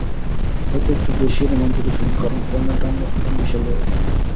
হয়তো একটু বেশিই রোমাঞ্চিত ছিলাম, কারণ ফাইনালটা আমরা হারলাম বিশাল ব্যবধানে।